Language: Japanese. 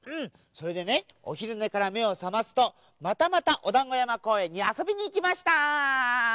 それでねおひるねからめをさますとまたまたおだんごやまこうえんにあそびにいきました。